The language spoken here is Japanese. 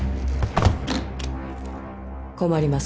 困ります